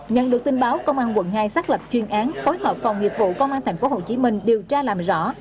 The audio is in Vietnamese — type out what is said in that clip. nhận được tin báo công an quận hai xác lập chuyên án phối hợp phòng nghiệp vụ công an tp hcm điều tra làm rõ